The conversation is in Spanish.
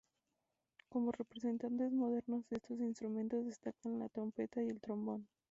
Como representantes modernos de estos instrumentos destacan la trompeta y el trombón.